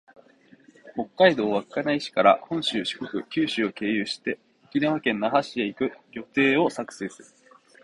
北海道稚内市から本州、四国、九州を経由して、沖縄県那覇市へ行く旅程を作成する